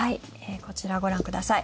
こちらご覧ください。